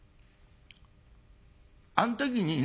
あん時にね